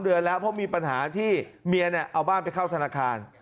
เดือนแล้วเพราะมีปัญหาที่เมียเนี่ยเอาบ้านไปเข้าธนาคาร